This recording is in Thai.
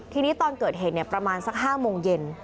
ทีนี้ตอนเกิดเหตุประมาณสัก๕โมงเย็น